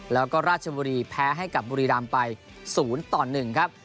แล้วก็ราชบุรีแพ้ให้กับบุรีรำไป๐ต่อ๑ครับ